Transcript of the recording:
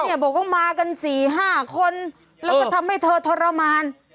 บอกว่ามากัน๔๕คนแล้วก็ทำให้เธอทรมาน